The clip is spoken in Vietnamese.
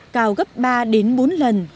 cao gấp ba đến bốn lần